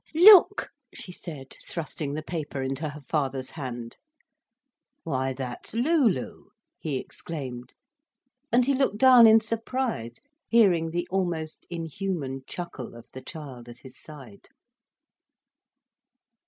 "Look," she said, thrusting the paper into her father's hand. "Why that's Looloo!" he exclaimed. And he looked down in surprise, hearing the almost inhuman chuckle of the child at his side.